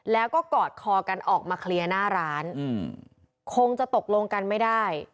แล้วก็กอดคอกันออกมาเคลียร์หน้าร้านคงจะตกลงกันไม่ได้